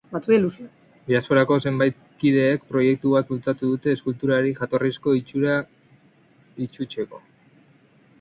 Diasporako zenbait kidek proiektu bat bultzatu dute eskulturari jatorrizko itxura itzutzeko.